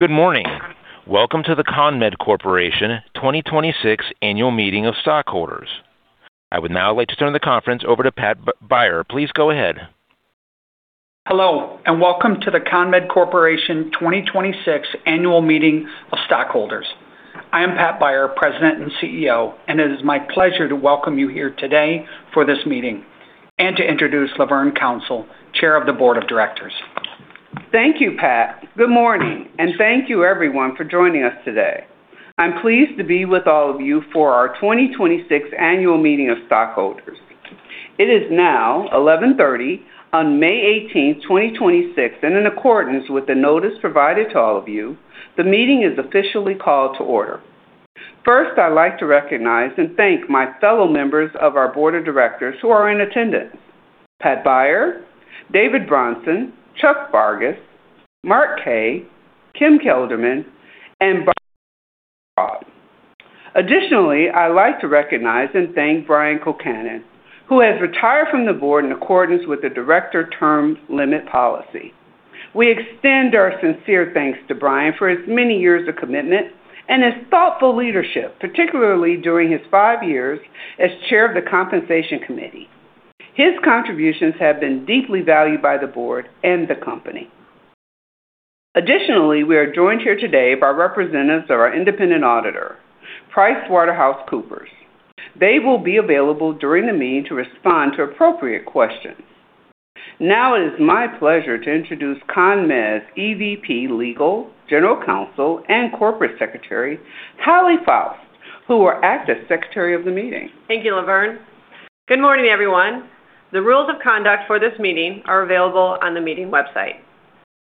Good morning. Welcome to the CONMED Corporation 2026 Annual Meeting of Stockholders. I would now like to turn the conference over to Pat Beyer. Please go ahead. Hello, and welcome to the CONMED Corporation 2026 Annual Meeting of Stockholders. I am Pat Beyer, President and CEO. It is my pleasure to welcome you here today for this meeting and to introduce LaVerne Council, Chair of the Board of Directors. Thank you, Pat. Good morning, and thank you everyone for joining us today. I'm pleased to be with all of you for our 2026 Annual Meeting of Stockholders. It is now 11:30 A.M. on May 18, 2026, and in accordance with the notice provided to all of you, the meeting is officially called to order. First, I'd like to recognize and thank my fellow members of our Board of Directors who are in attendance, Pat Beyer, David Bronson, Charles Farkas, Mark Kaye, Kim Kelderman, and Barbara Schwarzentraub. Additionally, I'd like to recognize and thank Brian Concannon, who has retired from the Board in accordance with the Director term limit policy. We extend our sincere thanks to Brian for his many years of commitment and his thoughtful leadership, particularly during his five years as Chair of the Compensation Committee. His contributions have been deeply valued by the Board and the company. We are joined here today by representatives of our Independent Auditor, PricewaterhouseCoopers. They will be available during the meeting to respond to appropriate questions. It is my pleasure to introduce CONMED's EVP Legal, General Counsel, and Corporate Secretary, Hollie Foust, who will act as Secretary of the meeting. Thank you, LaVerne. Good morning, everyone. The rules of conduct for this meeting are available on the meeting website.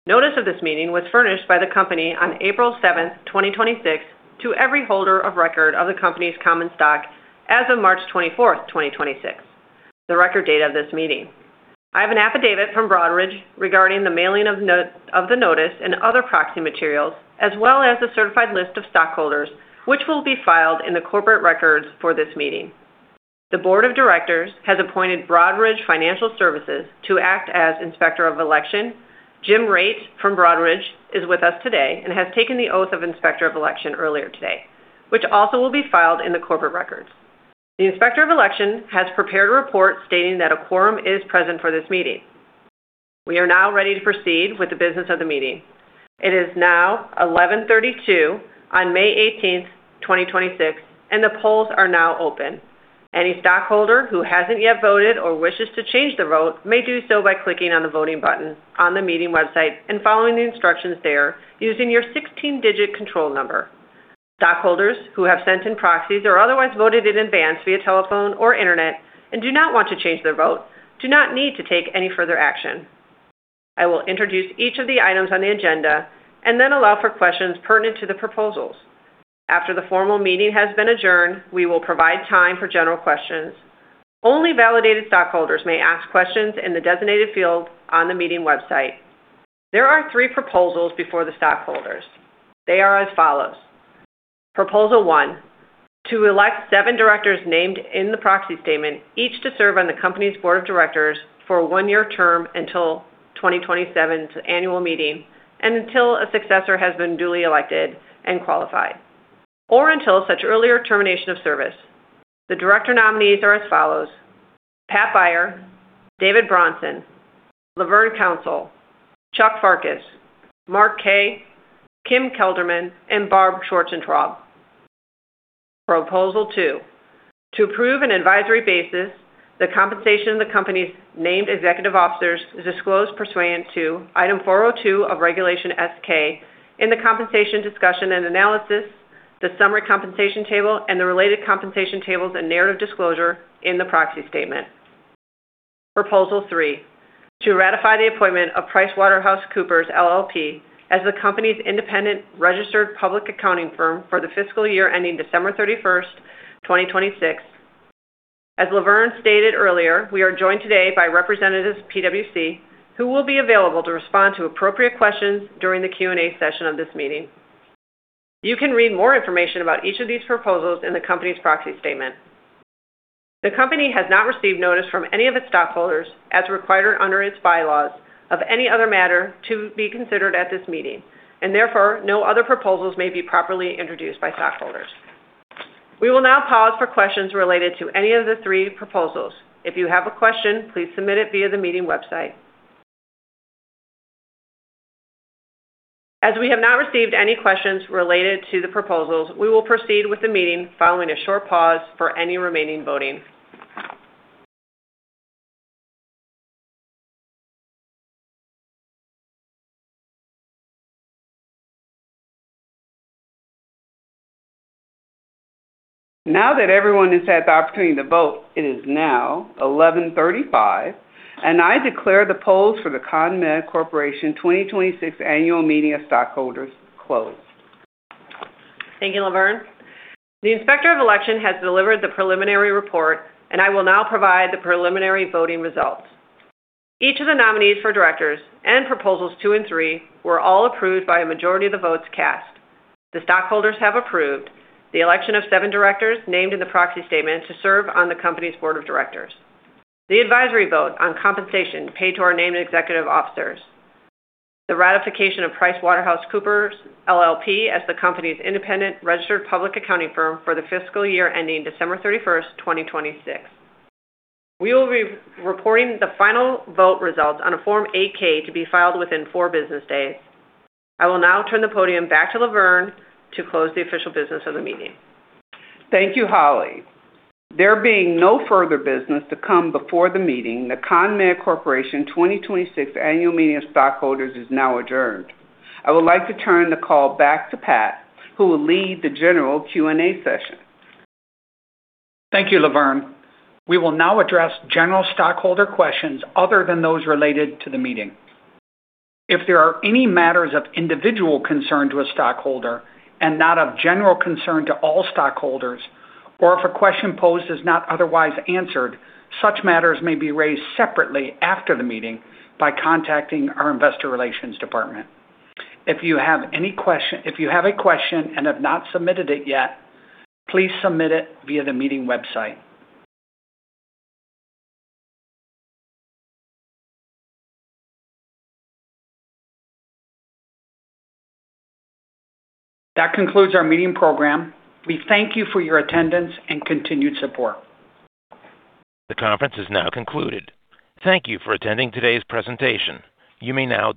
Notice of this meeting was furnished by the company on April 7th, 2026 to every holder of record of the company's common stock as of March 24th, 2026, the record date of this meeting. I have an affidavit from Broadridge regarding the mailing of the notice and other proxy materials as well as a certified list of stockholders, which will be filed in the corporate records for this meeting. The Board of Directors has appointed Broadridge Financial Solutions to act as Inspector of Election. Jim Raitt from Broadridge is with us today and has taken the oath of Inspector of Election earlier today, which also will be filed in the corporate records. The Inspector of Election has prepared a report stating that a quorum is present for this meeting. We are now ready to proceed with the business of the meeting. It is now 11:32 A.M. on May 18th, 2026, and the polls are now open. Any stockholder who hasn't yet voted or wishes to change their vote may do so by clicking on the voting button on the meeting website and following the instructions there using your 16-digit control number. Stockholders who have sent in proxies or otherwise voted in advance via telephone or internet and do not want to change their vote do not need to take any further action. I will introduce each of the items on the agenda and then allow for questions pertinent to the proposals. After the formal meeting has been adjourned, we will provide time for general questions. Only validated stockholders may ask questions in the designated field on the meeting website. There are three proposals before the stockholders. They are as follows. Proposal one, to elect seven Directors named in the proxy statement, each to serve on the company's Board of Directors for a one-year term until 2027's annual meeting and until a successor has been duly elected and qualified or until such earlier termination of service. The Director nominees are as follows: Pat Beyer, David Bronson, LaVerne Council, Charles Farkas, Mark Kaye, Kim Kelderman, and Barbara Schwarzentraub. Proposal two, to approve an advisory basis the compensation of the company's named executive officers disclosed pursuant to Item 402 of Regulation S-K in the compensation discussion and analysis, the summary compensation table, and the related compensation tables and narrative disclosure in the proxy statement. Proposal three, to ratify the appointment of PricewaterhouseCoopers LLP as the company's independent registered public accounting firm for the fiscal year ending December 31st, 2026. As LaVerne stated earlier, we are joined today by representatives of PwC who will be available to respond to appropriate questions during the Q&A session of this meeting. You can read more information about each of these proposals in the company's proxy statement. The company has not received notice from any of its stockholders as required under its bylaws of any other matter to be considered at this meeting, and therefore, no other proposals may be properly introduced by stockholders. We will now pause for questions related to any of the three proposals. If you have a question, please submit it via the meeting website. As we have not received any questions related to the proposals, we will proceed with the meeting following a short pause for any remaining voting. Now that everyone has had the opportunity to vote, it is now 11:35 A.M., and I declare the polls for the CONMED Corporation 2026 Annual Meeting of Stockholders closed. Thank you, LaVerne. The Inspector of Election has delivered the preliminary report, and I will now provide the preliminary voting results. Each of the nominees for Directors and Proposals two and three were all approved by a majority of the votes cast. The stockholders have approved the election of seven Directors named in the proxy statement to serve on the company's Board of Directors, the advisory vote on compensation paid to our named executive officers, the ratification of PricewaterhouseCoopers LLP as the company's independent registered public accounting firm for the fiscal year ending December 31st, 2026. We will be reporting the final vote results on a Form 8-K to be filed within four business days. I will now turn the podium back to LaVerne to close the official business of the meeting. Thank you, Hollie. There being no further business to come before the meeting, the CONMED Corporation 2026 Annual Meeting of Stockholders is now adjourned. I would like to turn the call back to Pat, who will lead the general Q&A session. Thank you, LaVerne. We will now address general stockholder questions other than those related to the meeting. If there are any matters of individual concern to a stockholder and not of general concern to all stockholders or if a question posed is not otherwise answered, such matters may be raised separately after the meeting by contacting our investor relations department. If you have a question and have not submitted it yet, please submit it via the meeting website. That concludes our meeting program. We thank you for your attendance and continued support. The conference has now concluded. Thank you for attending today's presentation. You may now disconnect.